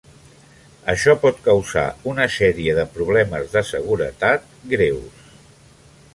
Això pot causar una sèrie de problemes de seguretat greus.